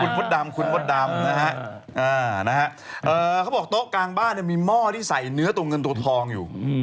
คุณมดดำคุณมดดำนะฮะเขาบอกโต๊ะกลางบ้านมีหม้อที่ใส่เนื้อตัวเงินตัวทองอยู่